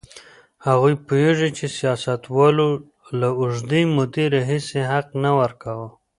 هغوی پوهېږي چې سیاستوالو له اوږدې مودې راهیسې حق نه ورکاوه.